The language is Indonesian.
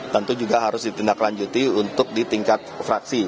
tentu juga harus ditindaklanjuti untuk di tingkat fraksi